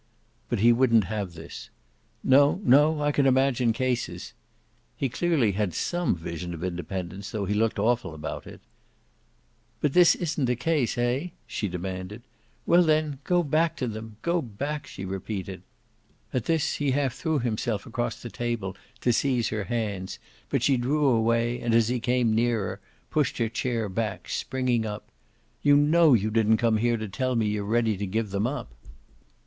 But he wouldn't have this. "No, no I can imagine cases." He clearly had SOME vision of independence, though he looked awful about it. "But this isn't a case, hey?" she demanded. "Well then go back to them go back," she repeated. At this he half threw himself across the table to seize her hands, but she drew away and, as he came nearer, pushed her chair back, springing up. "You know you didn't come here to tell me you're ready to give them up."